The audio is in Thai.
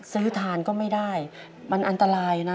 ซื้อทานก็ไม่ได้มันอันตรายนะ